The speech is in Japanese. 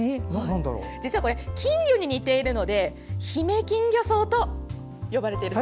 実はこれ金魚に似ているのでヒメキンギョソウと呼ばれているそうです。